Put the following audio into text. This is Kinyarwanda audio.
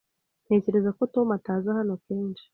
Ntekereza ko Tom ataza hano kenshi.